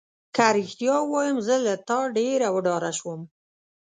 که رښتیا ووایم زه له تا ډېره وډاره شوم.